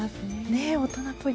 ね大人っぽい。